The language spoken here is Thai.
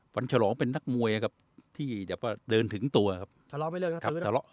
ฉลองเป็นนักมวยครับที่แบบว่าเดินถึงตัวครับทะเลาะไม่เลิกครับ